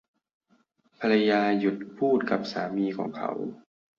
ภรรยาหยุดพูดกับสามีของเขา